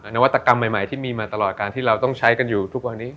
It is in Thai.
นวัตกรรมใหม่ที่มีมาตลอดการที่เราต้องใช้กันอยู่ทุกวันนี้